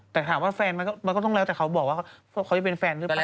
แต่ถามว่าแฟนมันก็ต้องแล้วแต่เขาบอกว่าเขาจะเป็นแฟนหรือเปล่า